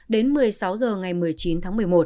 đến một mươi sáu h ngày một mươi chín tháng một mươi một